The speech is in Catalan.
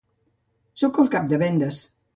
Soc el Cap de vendes.